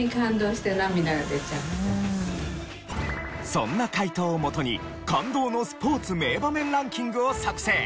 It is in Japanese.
そんな回答をもとに感動のスポーツ名場面ランキングを作成。